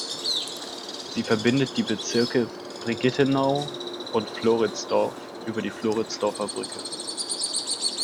Sie verbindet die Bezirke Brigittenau und Floridsdorf über die Floridsdorfer Brücke.